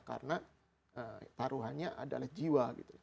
karena taruhannya adalah jiwa